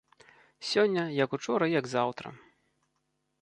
Сёння, як учора і як заўтра.